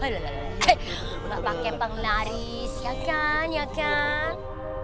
nggak pake penglaris ya kan